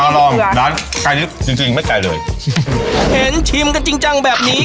มาลองจะได้นี้จริงไม่ใจเลยเห็นชิมกันจริงจังแบบนี้